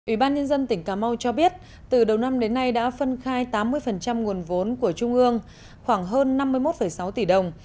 ủy ban nhân dân tỉnh cà mau cho biết từ đầu năm đến nay đã phân khai tám mươi nguồn vốn của trung ương khoảng hơn năm mươi một sáu tỷ đồng